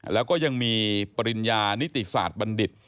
แล้วก็ยังมีปริญญานิติศาสตร์บัณฑิต